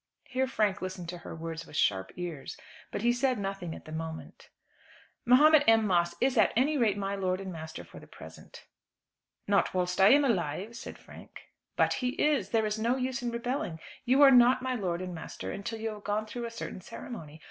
Here Frank listened to her words with sharp ears, but he said nothing at the moment. "Mahomet M. Moss is at any rate my lord and master for the present." "Not whilst I am alive," said Frank. "But he is. There is no use in rebelling. You are not my lord and master until you have gone through a certain ceremony.